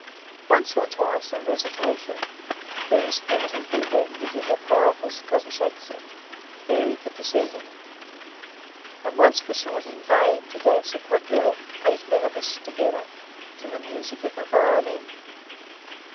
Once or twice, a recitation, very spiritedly rendered in a powerful Scottish accent, varied the proceedings; and once we sought in vain to dance a quadrille, eight men of us together, to the music of the violin.